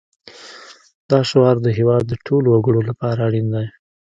دا شعار د هېواد د ټولو وګړو لپاره اړین دی